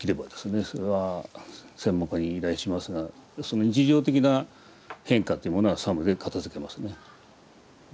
それは専門家に依頼しますがその日常的な変化というものは作務で片づけますね。